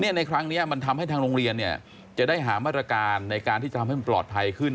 ในครั้งนี้มันทำให้ทางโรงเรียนเนี่ยจะได้หามาตรการในการที่จะทำให้มันปลอดภัยขึ้น